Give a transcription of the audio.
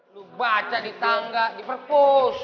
lu baca di tangga di perpus